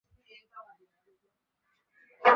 নদীর দিকে?